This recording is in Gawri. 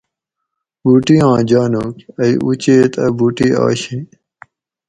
بوٹیاں جانوگ:- ائ اوچیت اۤ بوٹی آشیں